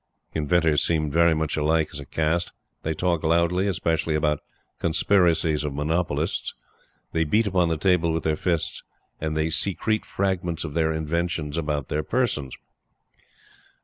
Inventors seem very much alike as a caste. They talk loudly, especially about "conspiracies of monopolists;" they beat upon the table with their fists; and they secrete fragments of their inventions about their persons.